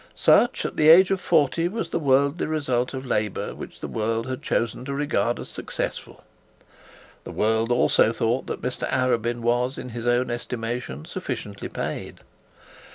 Such, at the age of forty, was the worldly result of labour, which the world had chosen to regard as successful. The world also thought that Mr Arabin was, in his own estimation, sufficiently paid.